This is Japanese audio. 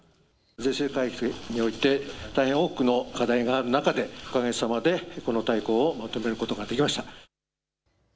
税制改正において大変多くの課題がある中で、おかげさまでこの大綱をまとめることができました。